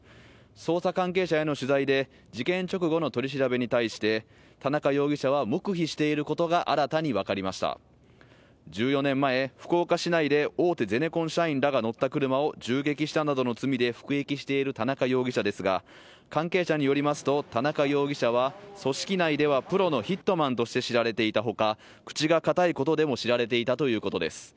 捜査関係者への取材で事件直後の取り調べに対して田中容疑者は黙秘していることが新たに分かりました１４年前福岡市内で大手ゼネコン社員らが乗った車を銃撃したなどの罪で服役している田中容疑者ですが関係者によりますと田中容疑者は組織内ではプロのヒットマンとして知られていたほか口が堅いことでも知られていたということです